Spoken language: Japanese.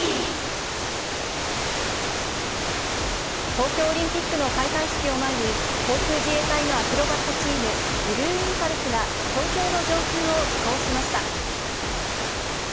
東京オリンピックの開会式を前に、航空自衛隊のアクロバットチーム、ブルーインパルスが東京の上空を飛行しました。